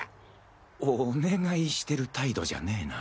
お願いしてる態度じゃねぇな